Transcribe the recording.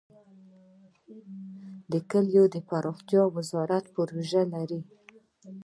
د کلیو پراختیا وزارت پروژې لري؟